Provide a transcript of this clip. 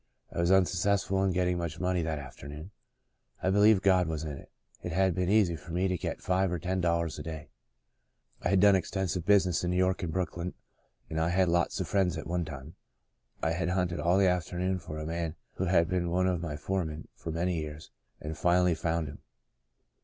I was unsuccessful in getting much money that afternoon. I believe God was in it. It had been easy for me to get five or ten dollars a day. I had done an ex tensive business in New York and Brooklyn, and I had lots of friends at one time. I hunted all the afternoon for a man who had been one of my foremen for many years, and finally found him.